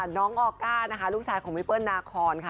น้องออก้านะคะลูกชายของพี่เปิ้ลนาคอนค่ะ